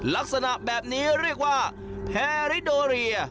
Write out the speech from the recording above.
ลักษณะแบบนี้เรียกว่าแพริโดเรีย